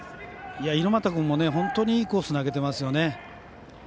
猪俣君も本当にいいコース投げてますよね。